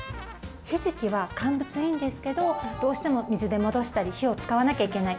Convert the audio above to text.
ひじきは乾物いいんですけど、どうしても水で戻したり、火を使わなきゃいけない。